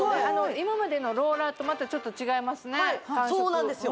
今までのローラーとまたちょっと違いますねそうなんですよ